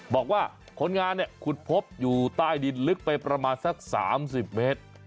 บอกว่าคนงานเนี่ยขุดพบอยู่ใต้ดินลึกไปประมาณสัก๓๐เมตร